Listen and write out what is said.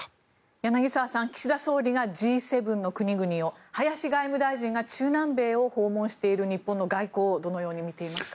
柳澤さん岸田総理がＧ７の国々を林外務大臣が中南米を訪問している日本の外交をどのように見ていますか。